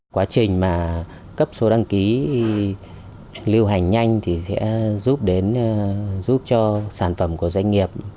quá trình mà cấp số đăng ký lưu hành nhanh thì sẽ giúp cho sản phẩm của doanh nghiệp